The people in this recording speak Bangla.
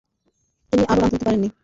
তিনি আরও রান তুলতে পারেননি।